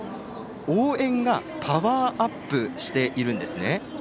応援がパワーアップしているんですね。